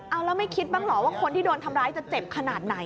เอาแล้วไม่คิดบ้างเหรอว่าคนที่โดนทำร้ายจะเจ็บขนาดไหน